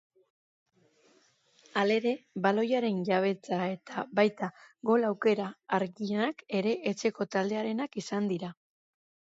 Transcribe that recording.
Halere, baloiaren jabetza eta baita gol-aukera argienak ere etxeko taldearenak izan dira.